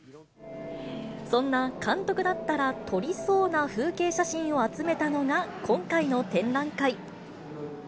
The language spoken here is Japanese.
そんな監督だったら撮りそうな風景写真を集めたのが今回の展覧会。